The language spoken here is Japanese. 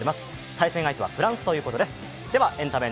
対戦相手はフランスということです。